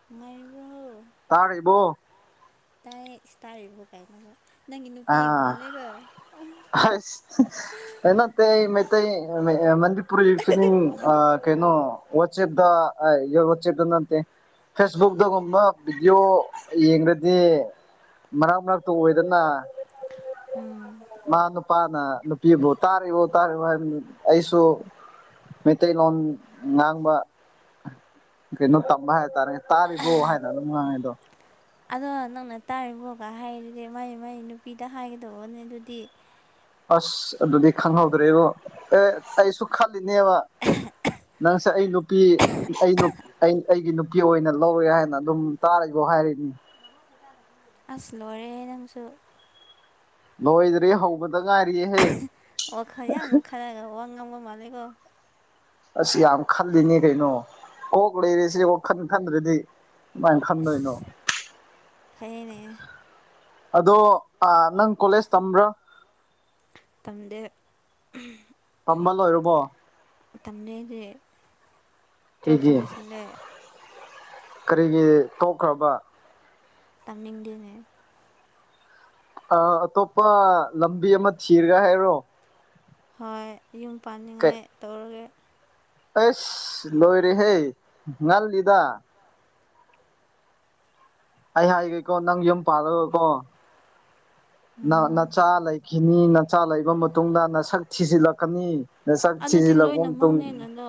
ꯃꯥꯏꯕ꯭ꯔꯨ ꯇꯥ ꯏꯔꯤꯕꯣ ꯇꯥꯏ ꯏꯁꯇꯥꯔꯕꯣꯒꯥꯏꯂꯒꯦ ꯅꯪꯒꯤ ꯅꯨꯄꯤꯒ ꯃꯥ ꯇ ꯃꯩꯇꯩ ꯃ ꯄꯨ ꯏ ꯑ ꯀꯩꯅꯣ ꯋꯥ ꯎꯆꯗꯆꯦꯦ ꯐꯦꯁꯕꯨꯛꯇꯛꯇꯒꯨꯝꯕ ꯚꯤꯗꯤꯑꯣ ꯌꯦꯡꯈ꯭ꯔꯗꯤ ꯃꯅꯥꯛ ꯃꯔꯅꯥꯛꯇꯨ ꯑꯣꯏꯗꯅ ꯎꯝ ꯃꯥ ꯅꯨꯄꯥꯅ ꯅꯨꯄꯤꯕꯨ ꯇꯥꯔꯤꯕ ꯇꯥꯔꯤꯕ ꯍꯥꯏ ꯑꯩꯁꯨ ꯃꯩꯇꯩꯂꯣꯟ ꯉꯥꯡꯕ ꯀꯩꯅꯣ ꯇꯝꯕ ꯍꯥꯏꯇꯥꯔꯦ ꯇꯥꯔꯤꯕꯣ ꯍꯥꯏꯅ ꯑꯗꯨꯝ ꯉꯥꯡꯉꯩꯗꯣ ꯑꯗꯣ ꯅꯪꯅ ꯇꯥꯔꯤꯕꯣꯒ ꯍꯥꯏꯔꯗꯤ ꯃꯥꯏ ꯃꯥꯏ ꯅꯨꯄꯤꯗ ꯍꯥꯏꯒꯗꯧꯕꯅꯦ ꯑꯗꯨꯗꯤ ꯑꯁ ꯑꯗꯨꯗꯤ ꯈꯪꯍꯧꯗ꯭ꯔꯦꯕꯣ ꯑꯦ ꯑꯩꯁꯨ ꯈꯜꯂꯤꯅꯦꯕ ꯅꯪꯁꯦ ꯑꯩ ꯅꯨꯄꯤ ꯑꯩ ꯅꯨꯞ ꯑꯩ ꯑꯩ ꯑꯩꯒꯤ ꯅꯨꯄꯤ ꯑꯣꯏꯅ ꯂꯧꯔꯒꯦ ꯍꯥꯏꯅ ꯑꯗꯨꯝ ꯇꯔꯤꯕꯣ ꯍꯥꯏꯔꯤꯅꯤ [unintelligible] ꯑꯁ ꯂꯣꯔꯦꯍꯦ ꯅꯪꯁꯨ ꯂꯣꯏꯗ꯭ꯔꯑꯦ ꯍꯧꯕ ꯗ ꯉꯥꯏꯔꯤꯌꯦꯍꯦ [unintelligible] ꯋꯈꯜ ꯌꯥꯝ ꯈꯜꯂꯥꯒ ꯋꯥ ꯉꯡꯕ ꯃꯥꯜꯂꯦꯀꯣ ꯑꯁ ꯌꯥꯝ ꯈꯜꯂꯤꯅꯦ ꯀꯩꯅꯣ ꯀꯣꯛ ꯂꯩꯔꯦꯁꯦ ꯋꯥꯈꯟ ꯈꯟꯗ꯭ꯔꯗꯤ ꯀꯃꯥꯏꯟ ꯑꯁ ꯈꯟꯗꯣꯏꯅꯣ ꯐꯩꯌꯦꯅꯦ ꯑꯗꯣ ꯑꯥ ꯅꯪ ꯀꯣꯂꯦꯖ ꯇꯝꯕ꯭ꯔꯥ ꯇꯝꯗꯦ ꯇꯝꯕ ꯂꯣꯏꯔꯕꯣ ꯇꯝꯗꯦ ꯑꯩꯗꯤ ꯀꯩꯒꯤ ꯀꯔꯤꯒꯤ ꯇꯣꯛꯈ꯭ꯔꯕ ꯇꯅꯤꯡꯗꯦꯅꯦ ꯑ ꯑꯇꯣꯞꯄ ꯂꯝꯕꯤ ꯑꯃ ꯊꯤꯔꯒ ꯍꯥꯏꯔꯣ ꯍꯣꯏ ꯌꯨꯝ ꯄꯥꯟꯅꯤꯡꯉꯥꯏ ꯇꯧꯔꯒꯦ ꯑꯩꯁ ꯂꯣꯏꯔꯦꯍꯦ ꯉꯜꯂꯤꯗ ꯑꯩ ꯍꯥꯏꯒꯦꯀꯣ ꯅꯪ ꯌꯨꯝ ꯄꯥꯜꯂꯒꯀꯣ ꯎꯝ ꯅꯆꯥ ꯂꯩ ꯈꯤꯅꯤ ꯅꯆꯥ ꯂꯩꯕ ꯃꯇꯨꯡꯗ ꯅꯁꯛ ꯊꯤꯖꯤꯜꯂꯛꯀꯅꯤ ꯅꯁꯛ ꯑꯗꯨꯗꯤ ꯊꯤꯖꯤꯟꯂꯛꯄ ꯃꯇꯨꯡ ꯂꯣꯏꯅꯃꯛꯅꯦꯅ ꯑꯗꯣ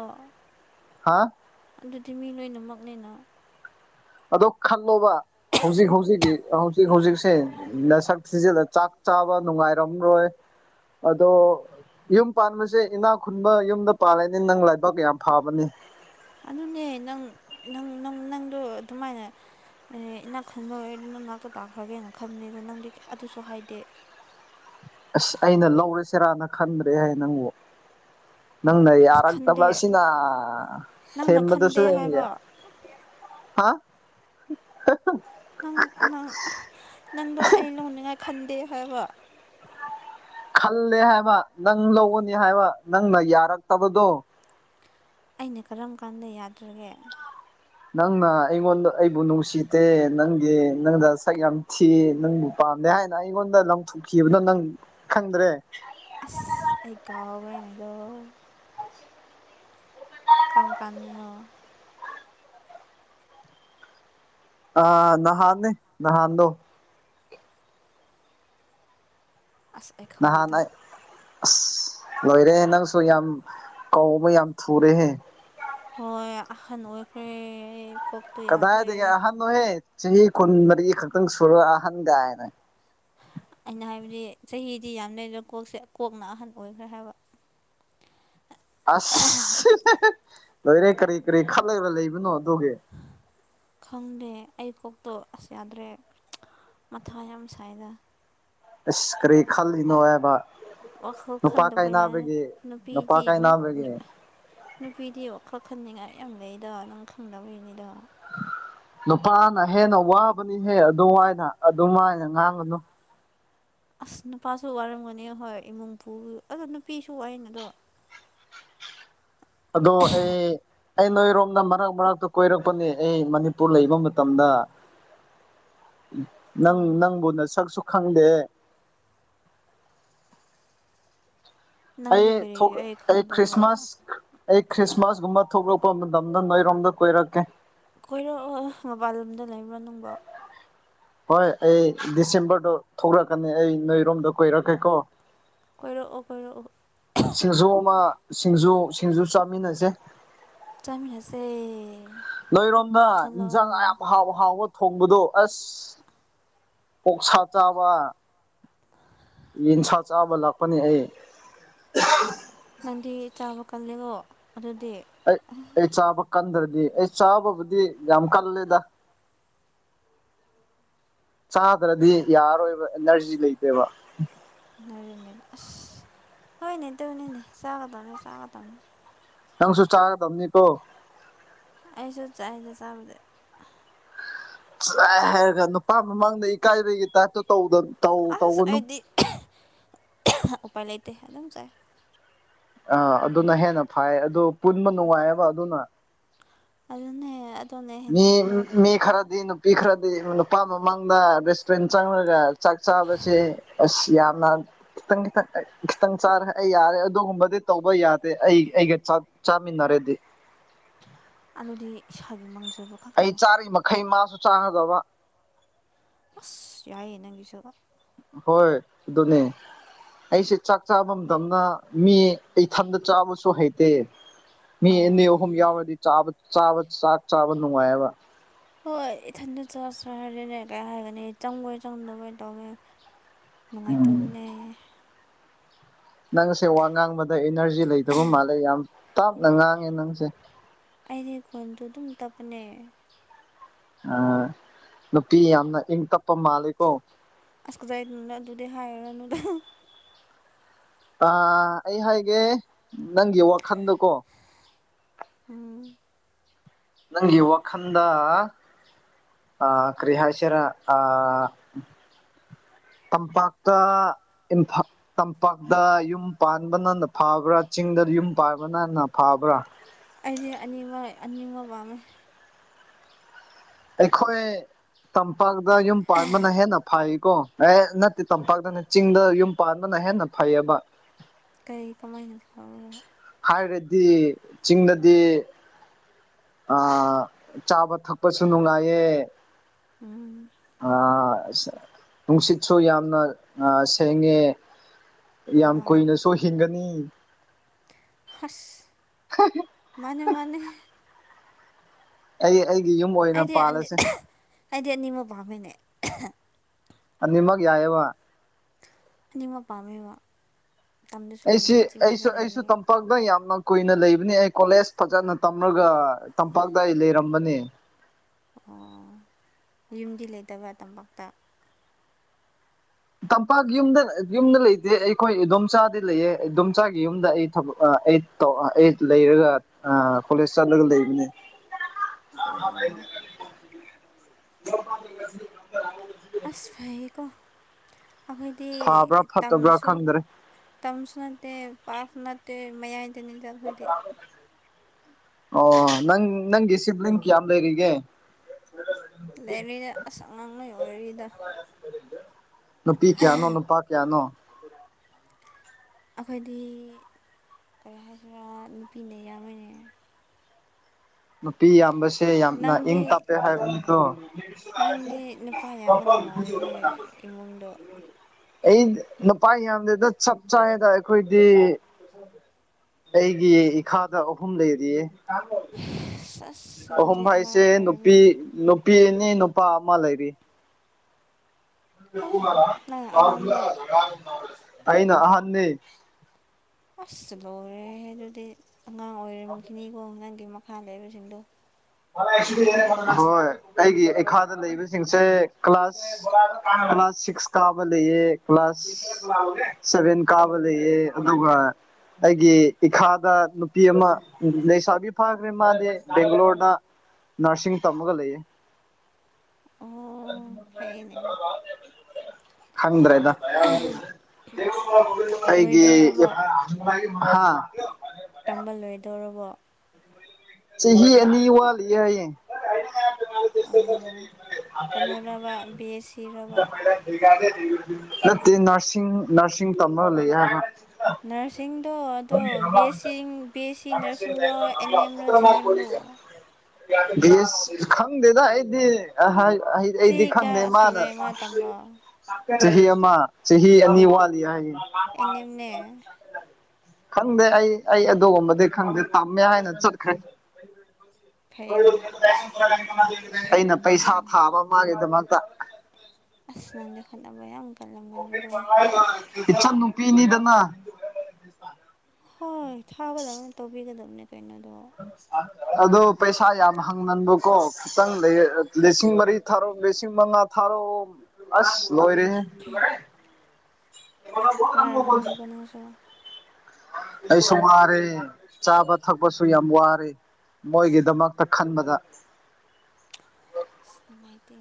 ꯍꯥ ꯑꯗꯨꯗꯤ ꯃꯤ ꯂꯣꯏꯅꯃꯛꯅꯦꯅ ꯑꯗꯣ ꯈꯜꯂꯣꯕ ꯍꯧꯖꯤꯛ ꯍꯧꯖꯤꯛꯀꯤ ꯍꯧꯖꯤꯛ ꯍꯧꯖꯤꯛꯁꯦ ꯅꯁꯛ ꯊꯤꯖꯤꯜꯂ ꯆꯥꯛ ꯆꯥꯕ ꯅꯨꯡꯉꯥꯏꯔꯝꯔꯣꯏ ꯑꯗꯣ ꯌꯨꯝ ꯄꯥꯟꯕꯁꯦ ꯏꯅꯥꯛ ꯈꯨꯟꯕ ꯌꯨꯝꯗ ꯄꯥꯜꯂꯅꯤ ꯅꯪ ꯂꯩꯥꯏꯕꯥꯛ ꯌꯥꯝ ꯐꯥꯕꯅꯤ ꯑꯗꯨꯅꯦ ꯅꯪ ꯅꯪ ꯅꯪ ꯅꯪ ꯅꯪꯗꯣ ꯑꯗꯨꯃꯥꯏꯅ ꯑꯦ ꯏꯅꯥꯛ ꯈꯟꯕ ꯑꯣꯏꯔꯗꯤ ꯅꯪ ꯅꯥꯛꯇ ꯇꯥꯛꯈ꯭ꯔꯒꯦꯅ ꯈꯟꯕꯅꯦ ꯑꯗꯣ ꯅꯪꯗꯤ ꯑꯗꯨꯁꯨ ꯍꯥꯏꯗꯦ ꯑꯁ ꯑꯩꯅ ꯂꯧꯔꯁꯤꯔꯥꯅ ꯈꯟꯗ꯭ꯔꯦꯍꯦ ꯅꯪꯕꯨ ꯅꯪꯅ ꯑꯁ ꯈꯟꯗꯦ ꯌꯥꯔꯛꯇꯕꯁꯤꯅ ꯅꯪꯅ ꯊꯦꯝꯕꯗꯨꯁꯨ ꯈꯟꯗꯦ ꯌꯦꯡꯒꯦ ꯍꯥꯏꯕ [unintelligible] ꯅꯪ ꯅꯪ ꯅꯪꯗꯣ ꯑꯩ ꯂꯣꯟꯅꯤꯡꯉꯥꯏ ꯈꯟꯗꯦ ꯍꯥꯏꯕ ꯈꯜꯂꯦ ꯍꯥꯏꯕ ꯅꯪ ꯂꯧꯒꯅꯤ ꯍꯥꯏꯕ ꯅꯪꯅ ꯌꯥꯔꯛꯇꯕꯗꯣ ꯑꯩꯅ ꯀꯔꯝ ꯀꯥꯟꯗ ꯌꯥꯗ꯭ꯔꯒꯦ ꯅꯪꯅ ꯑꯩꯉꯣꯟꯗ ꯑꯩꯕꯨ ꯅꯨꯡꯁꯤꯗꯦ ꯅꯪꯒꯤ ꯅꯪꯗ ꯁꯛ ꯌꯥꯝ ꯊꯤ ꯅꯪꯕꯨ ꯄꯥꯝꯗꯦ ꯍꯥꯏꯅ ꯑꯩꯉꯣꯟꯗ ꯂꯪꯊꯣꯛꯈꯤꯕꯗꯣ ꯅꯪ ꯈꯪꯗ꯭ꯔꯦ ꯑꯁ ꯑꯩ ꯀꯥꯎꯒꯔꯦꯅꯦꯗꯣ ꯀꯔꯝ ꯀꯥꯟꯗꯅꯣ ꯑ ꯅꯍꯥꯟꯅꯦ ꯅꯍꯥꯟꯗꯣ ꯑꯁ ꯑꯩ ꯅꯍꯥꯟ ꯈꯪꯗꯦꯗ ꯑꯩ ꯑꯁ ꯂꯣꯏꯔꯦꯍꯦ ꯅꯪꯁꯨ ꯌꯥꯝ ꯀꯧꯕ ꯌꯥꯝ ꯊꯨꯔꯦꯍꯦ ꯍꯣꯏ ꯑꯍꯟ ꯑꯣꯏꯈ꯭ꯔꯦ ꯑꯩ ꯀꯣꯛ ꯀꯗꯥꯏꯗꯒꯤ ꯑꯍꯟꯅꯣꯍꯦ ꯆꯍꯤ ꯀꯨꯟꯃꯔꯤ ꯈꯛꯇꯪ ꯁꯨꯔ ꯑꯍꯟ ꯒꯥꯏꯅ ꯑꯩꯅ ꯍꯥꯏꯕꯗꯤ ꯆꯍꯤꯗꯤ ꯌꯥꯝ ꯂꯩꯗ꯭ꯔ ꯀꯣꯛꯁꯦ ꯀꯣꯛꯅ ꯑꯍꯟ ꯑꯣꯏꯈ꯭ꯔꯦ ꯍꯥꯏꯕ ꯑꯁ ꯂꯣꯏꯔꯦ ꯀꯔꯤ ꯀꯔꯤ ꯈꯜꯂꯒ ꯂꯩꯕꯅꯣ ꯑꯗꯨꯒꯤ ꯈꯪꯗꯦ ꯑꯩ ꯀꯣꯛꯇꯣ ꯑꯁ ꯌꯥꯗ꯭ꯔꯦ ꯃꯊꯥ ꯌꯥꯝ ꯁꯥꯏꯗ ꯏꯁ ꯀꯔꯤ ꯈꯜꯂꯤꯅꯣ ꯍꯥꯏꯕ ꯋꯥꯈꯜ ꯅꯨꯄꯥ ꯈꯟꯗꯕ ꯌꯥꯔꯦ ꯀꯥꯏꯅꯕꯒꯤ ꯅꯨꯄꯥ ꯅꯨꯄꯤꯗꯤ ꯀꯥꯏꯅꯕꯒꯤ ꯅꯨꯄꯤꯗꯤ ꯋꯥꯈꯟ ꯈꯟꯅꯤꯡꯉꯥꯏ ꯌꯥꯝ ꯂꯩꯗ ꯅꯪ ꯈꯪꯗꯕꯩꯅꯤꯗ ꯅꯨꯄꯥꯅ ꯍꯦꯟꯅ ꯋꯥꯕꯅꯤꯍꯦ ꯑꯗꯨꯥꯋꯥꯏꯅ ꯑꯗꯨꯃꯥꯏꯅ ꯉꯥꯡꯒꯅꯨ ꯑꯁ ꯅꯨꯄꯥꯁꯨ ꯋꯥꯔꯝꯒꯅꯤ ꯍꯣꯏ ꯏꯃꯨꯡ ꯄꯨ ꯑꯗꯣ ꯅꯨꯄꯤꯁꯨ ꯋꯥꯥꯏꯅꯦ ꯗꯣ ꯑꯗꯣ ꯑꯩ ꯑꯩ ꯅꯣꯏꯔꯣꯝꯗ ꯃꯔꯛ ꯃꯔꯛꯇ ꯀꯣꯏꯔꯛꯄꯅꯦ ꯑꯩ ꯃꯅꯤꯄꯨꯔ ꯂꯩꯕ ꯃꯇꯝꯗ ꯅꯪ ꯅꯪꯕꯨ ꯅꯁꯛꯁꯨ ꯈꯪꯗꯦ ꯑꯩ ꯅꯪꯗꯤ ꯊꯣꯛ ꯀꯔꯤꯒꯤ ꯑꯩ ꯈ꯭ꯔꯤꯁꯃꯥꯁ ꯈꯪꯗꯕ꯭ꯔꯣ ꯑꯩ ꯈ꯭ꯔꯤꯁꯃꯥꯁꯒꯨꯝꯕ ꯊꯣꯛꯂꯛꯄ ꯃꯇꯝꯗ ꯅꯣꯏꯔꯣꯝꯗ ꯀꯣꯏꯔꯛꯀꯦ ꯀꯣꯏꯔꯣ ꯃꯄꯥꯟ ꯂꯣꯝꯗ ꯂꯩꯕ꯭ꯔꯣ ꯅꯨꯡꯕ ꯍꯣꯏ ꯑꯩ ꯗꯤꯁꯦꯝꯕꯔꯗꯣ ꯊꯣꯛꯂꯛꯀꯅꯤ ꯑꯩ ꯅꯣꯏꯔꯣꯝꯗ ꯀꯣꯏꯔꯛꯀꯦꯀꯣ ꯀꯣꯏꯔꯛꯑꯣ ꯀꯣꯏꯔꯛꯑꯣ ꯁꯤꯡꯖꯨ ꯑꯃ ꯁꯤꯡꯖꯨ ꯁꯤꯡꯖꯨ ꯆꯥꯃꯤꯟꯅꯁꯦ ꯆꯥꯃꯤꯟꯅꯁꯦ ‍ ꯅꯣꯏꯔꯣꯝꯅ ꯏꯟꯁꯥꯡ ꯊꯣꯛꯂꯛꯑꯣ ꯌꯥꯝ ꯍꯥꯎ ꯍꯥꯎꯕ ꯊꯣꯡꯕꯗꯣ ꯑꯁ [inaudible] ꯑꯣꯛꯁꯥ ꯆꯥꯕ ꯌꯦꯟꯁꯥ ꯆꯥꯕ ꯂꯥꯛꯄꯅꯤ ꯑꯩ ꯅꯪꯗꯤ ꯆꯥꯕ ꯀꯜꯂꯦꯀꯣ ꯑꯗꯨꯗꯤ ꯑꯩ ꯑꯩ ꯆꯥꯕ ꯀꯟꯗ꯭ꯔꯗꯤ ꯑꯩ ꯆꯥꯕꯕꯨꯗꯤ ꯌꯥꯝ ꯀꯜꯂꯦꯗ ꯆꯥꯗ꯭ꯔꯗꯤ ꯌꯥꯔꯔꯣꯏꯕ ꯑꯦꯅꯔꯖꯤ ꯂꯩꯇ꯭ꯔꯦꯕ [unintelligible] ꯑꯁ ꯍꯣꯏꯅꯦ ꯇꯨꯅꯤꯅꯦ ꯆꯥꯒꯗꯝꯃꯤ ꯆꯥꯒꯗꯝꯃꯤ ꯅꯪꯁꯨ ꯆꯥꯒꯗꯕꯅꯤꯀꯣ ꯑꯩꯁꯨ ꯆꯥꯏꯗ ꯆꯥꯕꯗꯤ ꯆꯥꯏ ꯍꯥꯏꯔꯒ ꯅꯨꯄꯥ ꯃꯃꯥꯡꯗ ꯏꯀꯥꯏꯕꯒꯤ ꯇꯥꯏꯞꯇ ꯇꯧ [unintelligible] ꯑꯁ ꯑꯩꯗꯤ ꯎꯄꯥꯏ ꯂꯩꯇꯦ ꯑꯗꯨꯝ ꯆꯥꯏ ꯑꯥ ꯑꯗꯨꯅ ꯍꯦꯟꯅ ꯐꯥꯏ ꯑꯗꯨ ꯄꯨꯟꯕ ꯅꯨꯡꯉꯥꯏꯑꯦꯕ ꯑꯗꯨꯅ ꯑꯗꯨꯅꯦ ꯑꯗꯨꯅꯦ ꯍꯦꯟꯅ ꯃꯤ ꯏꯁꯥꯗ ꯃꯤ ꯈꯔꯗꯤ ꯅꯨ ꯅꯨꯄꯤ ꯈ꯭ꯔꯗꯤ ꯅꯨꯄꯥ ꯃꯃꯥꯡꯗ ꯔꯦꯁꯇ꯭ꯔꯨꯔꯦꯟ ꯆꯪꯔꯒ ꯆꯥꯛ ꯆꯥꯕꯁꯤ ꯑꯁ ꯌꯥꯝꯅ ꯈꯤꯇꯪ ꯈꯤꯇꯪ ꯑꯦ ꯈꯤꯇꯪ ꯆꯥꯔꯦ ꯑꯩ ꯌꯥꯔꯦ ꯑꯗꯨꯒꯨꯝꯕꯗꯤ ꯇꯧꯕ ꯌꯥꯗꯦ ꯑꯩ ꯑꯩꯒ ꯆꯥ ꯆꯥꯃꯤꯟꯔꯗꯤ ꯑꯗꯨꯗꯤ ꯏꯁꯥꯒꯤ ꯃꯪꯖꯕ ꯑꯩ ꯈꯛꯇꯅꯦ ꯆꯥꯔꯤ ꯃꯈꯩ ꯃꯥꯁꯨ ꯆꯥꯒꯗꯕ ꯑꯁ ꯌꯥꯏꯌꯦ ꯅꯪꯒꯤꯁꯨ ꯍꯣꯏ ꯑꯗꯨꯅꯤ ꯑꯩꯁꯦ ꯆꯥꯛ ꯆꯥꯕ ꯃꯇꯝꯗ ꯃꯤ ꯏꯊꯟꯗ ꯆꯥꯕꯁꯨ ꯍꯩꯇꯦ ꯃꯤ ꯑꯅꯤ ꯑꯥ ꯑꯍꯨꯝ ꯌꯥꯎꯔꯗꯤ ꯆꯥꯕ ꯆꯥꯕ ꯆꯥꯛ ꯆꯥꯕ ꯅꯨꯡꯉꯥꯏꯑꯦꯕ ꯍꯣꯏ ꯏꯊꯟꯇ ꯆ ꯆ ꯍꯥꯏꯔꯅꯦ ꯀꯩ ꯍꯥꯏꯒꯅꯤ ꯆꯪꯕꯣꯏ ꯆꯪꯗꯕꯣꯏ ꯇꯧꯅꯦ ꯎꯝ ꯅꯨꯡꯉꯥꯏꯇꯕꯅꯦ ꯅꯪꯁꯦ ꯋꯥ ꯉꯥꯡꯕꯗ ꯏꯅꯔꯖꯤ ꯂꯩꯇꯕ ꯃꯥꯜꯂꯦ ꯌꯥꯝ ꯇꯥꯞꯅ ꯉꯥꯡꯉꯦ ꯅꯪꯁꯦ ꯑꯩꯗꯤ ꯈꯣꯟꯁꯨ ꯑꯗꯨꯝ ꯇꯞꯄꯅꯦ ꯑ ꯅꯨꯄꯤ ꯌꯥꯝꯅ ꯏꯪ ꯇꯞꯄ ꯃꯥꯜꯂꯤꯀꯣ ꯑꯁ ꯀꯗꯥꯥꯏꯗꯩꯅꯣ ꯑꯗꯨꯗꯤ ꯍꯥꯏꯔꯨꯔꯅꯨꯗ ꯑ ꯑꯩ ꯍꯥꯏꯒꯦ ꯅꯪꯒꯤ ꯋꯥꯈꯜꯗꯀꯣ ꯎꯝ ꯅꯪꯒꯤ ꯋꯥꯈꯟꯗ ꯑ ꯀꯔꯤ ꯍꯥꯁꯤꯔꯥ ꯑ ꯇꯝꯄꯥꯛꯇ ꯏꯝꯐꯥ ꯇꯝꯄꯥꯛꯇ ꯌꯨꯝ ꯄꯥꯟꯕꯅꯅ ꯐꯥꯕ꯭ꯔꯥ ꯆꯤꯡꯗ ꯌꯨꯝ ꯄꯥꯟꯕꯅ ꯐꯥꯕ꯭ꯔꯥ ꯑꯩꯗꯤ ꯑꯅꯤꯕ ꯑꯅꯤꯡꯕ ꯄꯥꯝꯃꯦ ꯑꯩꯈꯣꯏ ꯇꯝꯄꯥꯛꯇ ꯌꯨꯝ ꯄꯥꯟꯕꯅ ꯍꯦꯟꯅ ꯐꯩꯀꯣ ꯑꯦ ꯅꯠꯇꯦ ꯇꯝꯄꯥꯛꯇ ꯆꯤꯡꯗ ꯌꯨꯝ ꯄꯥꯟꯕꯅ ꯍꯦꯟꯅ ꯐꯩꯌꯦꯕ ꯀꯩ ꯀꯃꯥꯏꯅ ꯐꯥꯎꯔꯣ ꯍꯥꯏꯔꯗꯤ ꯆꯤꯡꯗꯗꯤ ꯆꯥꯕ ꯊꯛꯄꯁꯨ ꯅꯨꯡꯉꯥꯏꯌꯦ ꯎꯝ ꯅꯨꯡꯁꯤꯠꯁꯨ ꯌꯥꯝꯅ ꯁꯦꯡꯉꯦ ꯌꯥꯝ ꯍꯣꯏ ꯀꯨꯏꯅꯁꯨ ꯍꯤꯡꯒꯅꯤ ꯍꯁ [unintelligible] ꯃꯥꯅꯦ ꯃꯥꯅꯦ ꯑꯩ ꯑꯩꯒꯤ ꯌꯨꯝ ꯑꯣꯏꯅ ꯑꯩꯗꯤ ꯑꯅꯤ ꯄꯥꯜꯂꯁꯦ ꯑꯩꯗꯤ ꯑꯅꯤꯃꯛ ꯄꯥꯝꯃꯦꯅꯦ ꯑꯅꯤꯃꯛ ꯌꯥꯏꯑꯦꯕ ꯑꯅꯤꯃꯛ ꯄꯥꯝꯃꯦꯕ ꯇꯝꯗꯁꯨ ꯑꯩꯁꯤ ꯂꯩꯅꯤꯡꯉꯤ ꯆꯤꯡꯗꯁꯨ ꯑꯩꯁꯨ ꯑꯩꯁꯨ ꯂꯩꯅꯤꯡꯉꯤ ꯇꯝꯄꯥꯛꯇ ꯌꯥꯝꯅ ꯀꯨꯏꯅ ꯂꯩꯕꯅꯤ ꯑꯩ ꯀꯣꯂꯦꯖ ꯐꯖꯅ ꯇꯝꯂꯒ ꯇꯝꯄꯥꯛꯇ ꯑꯩ ꯂꯩꯔꯝꯕꯅꯤ ꯑꯣ ꯌꯨꯝꯗꯤ ꯂꯩꯇꯕ ꯇꯝꯄꯥꯛꯇ ꯇꯝꯄꯥꯛꯀꯤ ꯌꯨꯝꯗ ꯌꯨꯝꯗ ꯂꯩꯇꯦ ꯑꯩꯈꯣꯏ ꯏꯗꯣꯝꯆꯥꯗꯤ ꯂꯩꯌꯦ ꯏꯗꯣꯝꯆꯥꯒꯤ ꯌꯨꯝꯗ ꯑꯩ ꯊꯕꯛ ꯑꯩ ꯇꯧ ꯑꯩ ꯂꯩꯔꯒ ꯀꯣꯂꯦꯖ ꯆꯠꯂꯒ ꯂꯩꯕꯅꯦ ꯑꯣ ꯑꯁ ꯐꯩꯌꯦꯀꯣ ꯑꯩꯈꯣꯏꯗꯤ ꯐꯕ꯭ꯔꯥ ꯐꯠꯇꯕ꯭ꯔꯥ ꯇꯝꯁꯨ ꯈꯪꯗ꯭ꯔꯦ ꯇꯝꯁꯨ ꯅꯠꯇꯦ ꯄꯥꯥꯛꯁꯨ ꯅꯠꯇꯦ ꯇ ꯃꯌꯥꯏ [unintelligible] ꯑꯣ ꯅꯪ ꯅꯪꯒꯤ ꯁꯤꯕ꯭ꯂꯤꯡ ꯀꯌꯥꯝ ꯂꯩꯔꯤꯒꯦ ꯂꯩꯔꯤꯗ ꯑꯁ ꯑꯉꯥꯡ ꯂꫭꯏ ꯑꯣꯏꯔꯤꯗ ꯅꯨꯄꯤ ꯀꯌꯥꯅꯣ ꯅꯨꯄꯥ ꯀꯌꯥꯅꯣ ꯑꯩꯈꯣꯏꯗꯤ ꯀꯔꯤ ꯍꯥꯏꯁꯤꯔꯥ ꯅꯨꯄꯤꯅ ꯏꯌꯥꯝꯃꯤꯅꯦ ꯅꯨꯄꯤ ꯌꯥꯝꯕ ꯁꯦ ꯌꯥꯝꯅ ꯏꯪ ꯅꯪꯗꯤ ꯇꯞꯄꯦ ꯍꯥꯏꯕꯅꯤꯀꫭ ꯅꯪꯗꯤ [unintelligible] ꯏꯃꯨꯡꯗ ꯑꯩ ꯅꯨꯄꯥ ꯌꯥꯝꯗꯦꯗ ꯆꯞ ꯆꯥꯗ ꯑꯩꯈꯣꯏꯗꯤ [inaudible] ꯑꯩꯒꯤ ꯏꯈꯥꯗ ꯑꯍꯨꯝ ꯂꯩꯔꯤꯌꯦ [unintelligible] ꯑꯍꯨꯝ ꯑꯗꯨꯗꯤ ꯑꯉꯥꯡ ꯍꯥꯏꯁꯦ ꯑꯣꯏꯔꯝꯃꯤ ꯅꯨꯄꯤ ꯅꯨꯄꯤ ꯑꯅꯤ ꯅꯨꯄꯥ ꯑꯃ ꯂꯩꯔꯤ ꯑꯣ ꯅꯪ ꯑꯍꯜꯂꯣ [unintelligible] ꯑꯩꯅ ꯑꯍꯟꯅꯤ ꯑꯁ ꯂꫭꯏꯔꯦꯍꯦ ꯑꯗꯨꯗꯤ ꯑꯉꯥꯡ ꯑꯣꯏꯔꯃꯨꯈꯤꯅꯤꯀꯣ ꯅꯪꯒꯤ ꯃꯈꯥ ꯂꯩꯕꯁꯤꯡꯗꯣ ꯍꯣꯏ ꯑꯩꯒꯤ ꯑꯩꯈꯥꯗ ꯂꯩꯕꯁꯤꯡꯁꯦ ꯀ꯭ꯂꯥꯁ ꯀ꯭ꯂꯥꯁ ꯁꯤꯛꯁ ꯀꯥꯕ ꯂꯩꯑꯦ ꯀ꯭ꯂꯥꯁ ꯁꯚꯦꯟ ꯀꯥꯕ ꯂꯩꯑꯦ ꯑꯗꯨꯒ ꯑꯩꯒꯤ ꯏꯈꯥꯗ ꯅꯨꯄꯤ ꯑꯃ ꯂꯩꯁꯥꯕꯤ ꯐꯥꯈ꯭ꯔꯦ ꯃꯥꯗꯤ ꯕꯦꯡꯒꯂꯣꯔꯗ ꯅꯔꯁꯤꯡ ꯇꯝꯃꯒ ꯂꯩꯌꯦ ꯑꯣ ꯐꯩꯅꯦ ꯈꯪꯗ꯭ꯔꯦꯗ ꯑꯩꯒꯤ ꯂꯣꯏꯗꯧꯔꯕꯣ ꯏꯞ ꯍꯥꯥ ꯇꯝꯕ ꯂꯣꯏꯗꯧꯔꯕꯣ ꯁꯤꯍꯤ ꯑꯅꯤ ꯋꯥꯠꯂꯤ ꯌꯥꯏꯌꯦ ꯑꯣ ꯀꯩꯅꯣꯔꯕ ꯕꯤ ꯑꯦ ꯁꯤꯔꯕ ꯅꯠꯇꯦ ꯅꯔꯁꯤꯡ ꯅꯔꯁꯤꯡ ꯇꯝꯃꯒ ꯂꯩ ꯍꯥꯏꯕ ꯅꯔꯁꯤꯡꯗꯣ ꯑꯗꯣ ꯕꯦꯠꯁꯤꯡ ꯕꯤ ꯑꯦ ꯁꯤ ꯅꯔꯁꯤꯡꯔꯣ ꯑꯦꯟ ꯑꯦꯝꯔꯣ ꯖꯦꯟ ꯑꯦꯝꯂꯣ ꯕꯤ ꯑꯦꯁ ꯈꯪꯗꯦꯗ ꯑꯩꯗꯤ ꯍꯥꯏ ꯍꯩ ꯑꯩꯗꯤ ꯆꯍꯤ ꯈꯪꯗꯦ ꯀꯌꯥ ꯃꯥꯅ ꯁꯨꯔꯦ ꯃꯥ ꯇꯝꯕ ꯆꯍꯤ ꯑꯃ ꯆꯍꯤ ꯑꯅꯤ ꯋꯥꯠꯂꯤ ꯍꯥꯏ ꯑꯦꯟ ꯑꯦꯝꯅꯦ ꯈꯪꯗꯦ ꯑꯩ ꯑꯩ ꯑꯗꯨꯒꯨꯝꯕꯗꯤ ꯈꯪꯗꯦ ꯇꯝꯃꯦ ꯍꯥꯏꯅ ꯆꯠꯈ꯭ꯔꯦ ꯐꯩꯅꯦ ꯑꯩꯅ ꯄꯩꯁꯥ ꯎꯝ ꯊꯥꯕ ꯃꯥꯒꯤꯗꯃꯛꯇ ꯑꯁ ꯅꯪꯗꯤ ꯍꯣꯠꯅꯕ ꯌꯥꯝ ꯀꯜꯂꯝꯒꯅꯤꯀꯣ ꯏꯠꯆꯥꯟ ꯅꯨꯄꯤꯅꯤꯗꯅ ꯍꯣꯏ ꯊꯥꯒꯗꯕꯅꯦ ꯇꯧꯕꯤꯒꯗꯕꯅꯦ ꯀꯩꯅꯣꯗꯣ ꯑꯗꯣ ꯄꯩꯁꯥ ꯌꯥꯝ ꯍꯪꯒꯟꯕꯀꯣ ꯈꯤꯇꯪ ꯂꯩꯌꯦ ꯂꯤꯁꯤꯡ ꯃꯔꯤ ꯊꯥꯔꯣ ꯂꯤꯁꯤꯡ ꯃꯉꯥ ꯊꯥꯔꯣꯑꯣ ꯑꯁ ꯂꯣꯏꯔꯦꯍꯦ ꯋꯥꯔꯝꯒꯅꯤꯀꯣ ꯅꯪꯁꯨ ꯑꯩꯁꯨ ꯋꯥꯔꯦ ꯆꯥꯕ ꯊꯛꯄꯁꯨ ꯌꯥꯝ ꯋꯥꯔꯦ ꯃꯣꯏꯒꯤꯗꯃꯛꯇꯥ ꯈꯟꯕꯗ ꯅꯨꯡꯉꯥꯏꯇꯦ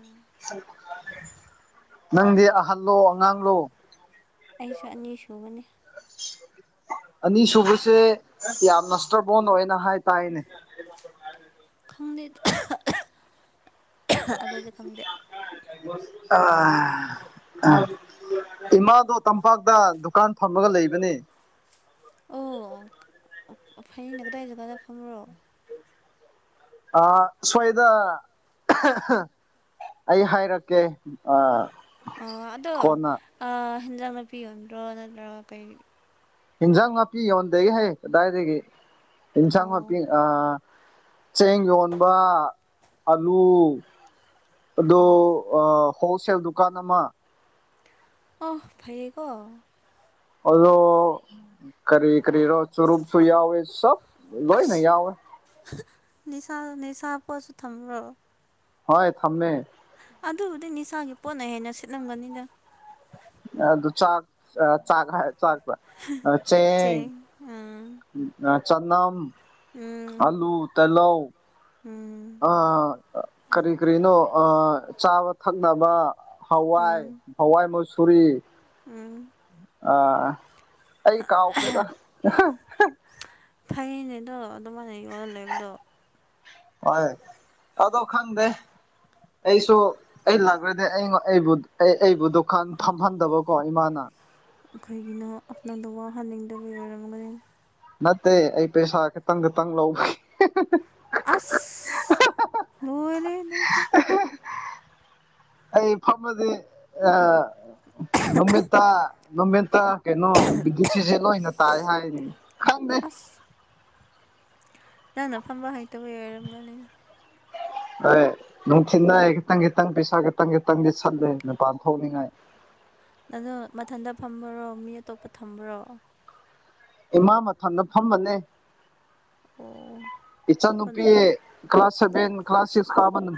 ꯅꯪꯗꯤ ꯑꯍꯜꯂꯣ ꯑꯉꯥꯡꯂꯣ ꯑꯩꯁꯨ ꯑꯅꯤ ꯁꯨꯕꯅꯤ ꯑꯅꯤꯁꯨꯨꯕꯁꯦ ꯌꯥꯝꯅ ꯁꯇ꯭ꯔꯕꯣꯟ ꯑꯣꯏꯅ ꯍꯥꯏ ꯇꯥꯏꯅꯦ ꯈꯪꯗꯦ ꯑꯗꯨꯗꯤ ꯈꯪꯗꯦ ꯑꯥ [unintelligible] ꯏꯃꯥꯗꯣ ꯇꯝꯄꯥꯛꯇ ꯗꯨꯀꯥꯟ ꯐꯝꯃꯒ ꯂꯩꯕꯅꯦ ꯑꯣ ꯐꯩꯅꯦ ꯀꯗꯥꯏ ꯖꯒꯥꯗ ꯐꯝꯕ꯭ꯔꯣ ꯑꯥ ꯁ꯭ꯋꯥꯏꯗ ꯑꯩ ꯍꯥꯏꯔꯛꯀꯦ ꯑꯥ ꯑꯥ ꯑꯗꯣ ꯀꯣꯟꯅ ꯑꯥ ꯍꯦꯟꯖꯥꯡ ꯅꯥꯄꯤ ꯌꯣꯟꯗ꯭ꯔꯣ ꯅꯠꯇ꯭ꯔꯒ ꯀꯩ ꯏꯟꯖꯥꯡ ꯅꯥꯄꯤ ꯌꯣꯟꯗꯦꯍꯦ ꯀꯗꯥꯏꯗꯒꯤ ꯑꯦꯟꯖꯥꯡ ꯅꯥꯄꯤ ꯑꯣ ꯑꯥ ꯆꯦꯡ ꯌꯣꯟꯕ ꯑꯂꯨ ꯑꯗꯨ ꯑꯣ ꯑꯥ ꯍꯣꯜꯁꯦꯜ ꯗꯨꯀꯥꯟ ꯑꯃ ꯑꯥ ꯐꯩꯌꯦꯀꯣ ꯑꯣꯂꯣ ꯀꯔꯤ ꯀꯔꯤꯔꯣ ꯆꯔꯨꯞꯁꯨꯨ ꯌꯥꯎꯋꯦ ꯁ꯭ꯕ ꯂꯣꯏꯅ ꯑꯁ ꯌꯥꯎꯋꯦ ꯅꯤꯁꯥ ꯅꯤꯁꯥ ꯄꯣꯠꯁꯨ ꯊꯝꯕꯔꯣ ꯍꯣꯏ ꯊꯝꯃꯦ ꯑꯗꯨꯕꯨꯗꯤ ꯅꯤꯁꯥꯒꯤ ꯄꯣꯠꯅ ꯍꯦꯟꯅ ꯁꯤꯠꯂꯝꯒꯅꯤꯗ ꯑꯗꯨ ꯆꯥꯛ ꯆꯥꯛ ꯍꯥꯏ ꯆꯥꯛ ꯆꯦꯡ ꯆꯅꯝ ꯎꯝ ꯑꯂꯨ ꯇꯦꯂꯧ ꯎꯝ ꯑꯥ ꯀꯔꯤ ꯀꯔꯤꯅꯣ ꯑꯥ ꯆꯥꯕ ꯊꯛꯅꯕ ꯍꯋꯥꯏ ꯎꯝ ꯍꯋꯥꯏ ꯃꯨꯁꯨꯔꯤ ꯎꯝ ꯑꯥ ꯑꯩ ꯀꯥꯎꯈ꯭ꯔꯦꯗ ꯐꯩꯅꯦꯗꯣ ꯑꯗꯨꯃꯥꯏꯅ ꯌꯣꯜꯂ ꯂꯩꯕꯗꯣ ꯍꯣꯏ ꯑꯗꯣ ꯈꯪꯗꯦ ꯑꯩꯁꯨ ꯑꯩ ꯂꯥꯛꯔꯗꯤ ꯑꯩ ꯑꯩꯕꯨ ꯑꯩ ꯑꯩꯕꯨ ꯗꯨꯀꯥꯟ ꯐꯝꯍꯟꯗꯕꯀꯣ ꯏꯃꯥꯅ ꯈꯩꯒꯤꯅꯣ ꯅꯪꯗꯣ ꯋꯥꯍꯟꯅꯤꯡꯗꯕꯒꯤ ꯑꯣꯏꯔꯝꯒꯅꯤ ꯅꯠꯇꯦ ꯑꯩ ꯄꯩꯁꯥ ꯈꯤꯇꯪ ꯈꯤꯇꯪ ꯂꯧꯕ ꯑꯁ ꯂꯣꯏꯔꯦ ꯅꯪꯁꯨ ꯑꯩ ꯐꯝꯃꯗꯤ ꯑꯥ ꯅꯨꯃꯤꯠꯇꯥ ꯅꯨꯃꯤꯠꯇꯥ ꯀꯩꯅꯣ ꯕꯤꯗꯤꯁꯤꯁꯦ ꯂꯣꯏꯅ ꯇꯥꯏ ꯍꯥꯏꯔꯤ ꯈꯪꯗꯦ ꯑꯁ ꯅꯪꯅ ꯐꯝꯕ ꯍꯩꯇꯕꯩ ꯑꯣꯏꯔꯝꯒꯅꯤꯗ ꯑꯦ ꯅꯨꯡꯊꯤꯟꯗ ꯈꯤꯇꯪ ꯈꯤꯇꯪ ꯄꯩꯁꯥ ꯈꯤꯇꯪ ꯈꯤꯇꯪꯗꯤ ꯁꯠꯂꯦ ꯃꯄꯥꯟ ꯊꯣꯛꯅꯤꯡꯉꯥꯏ ꯑꯗꯣ ꯃꯊꯟꯇ ꯐꯝꯕ꯭ꯔꯣ ꯃꯤ ꯑꯇꯣꯞꯄ ꯊꯝꯕ꯭ꯔꯣ ꯏꯃꯥ ꯃꯊꯟꯗ ꯐꯝꯕꯅꯦ ꯑꯣ ꯏꯆꯟꯅꯨꯄꯤ ꯀꯩꯅꯣ ꯀ꯭ꯂꯥꯁ ꯁꯕꯦꯟ ꯀ꯭ꯂꯥꯁ ꯁꯤꯛꯁ ꯀꯥꯕꯟ